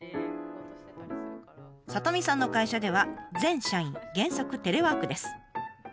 里美さんの会社では全社員原則テレワークです。